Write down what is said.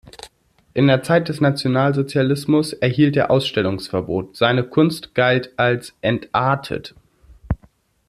In der Zeit des Nationalsozialismus erhielt er Ausstellungsverbot, seine Kunst galt als "entartet".